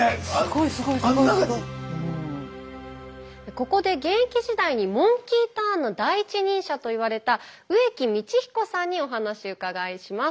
ここで現役時代にモンキーターンの第一人者と言われた植木通彦さんにお話伺いします。